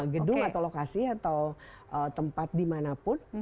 gedung atau lokasi atau tempat dimanapun